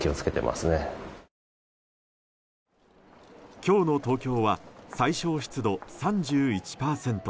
今日の東京は最小湿度３１％。